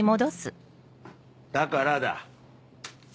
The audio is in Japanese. だからだ。